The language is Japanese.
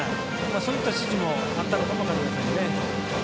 そういった指示もあったのかも分からないですね。